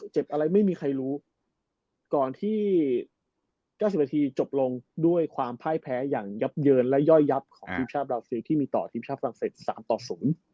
เจ็บอะไรไม่มีใครรู้ก่อนที่เก้าสิบนาทีจบลงด้วยความพ่ายแพ้อย่างยับเยินและย่อยยับของทีมชาติบราซิลที่มีต่อทีมชาติฝรั่งเศสสามต่อศูนย์